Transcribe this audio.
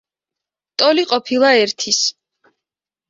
ტოლი ყოფილა ერთის.